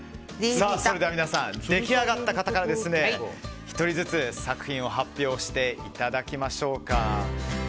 出来上がった方から１人ずつ作品を発表していただきましょうか。